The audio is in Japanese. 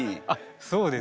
そうですね。